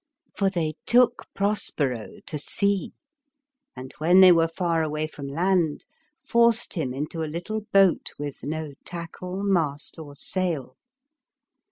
For they took Prospero to sea, and when they were far away from land, forced him into a little boat with no tackle, mast or sail.